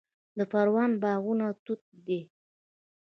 د پروان باغونه توت دي